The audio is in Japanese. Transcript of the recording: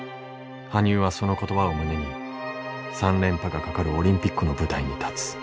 羽生はその言葉を胸に３連覇がかかるオリンピックの舞台に立つ。